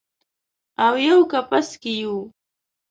اویو کپس کې یو